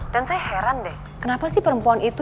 dan saya heran deh kenapa sih perempuan itu